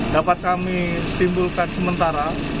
dapat kami simpulkan sementara